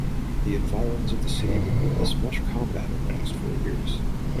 The environs of the city would witness much combat over the next four years.